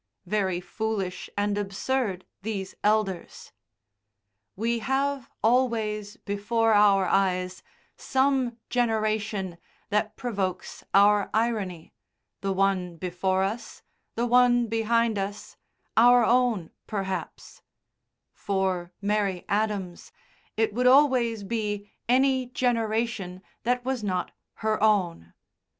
Very foolish and absurd, these elders. We have always before our eyes some generation that provokes our irony, the one before us, the one behind us, our own perhaps; for Mary Adams it would always be any generation that was not her own.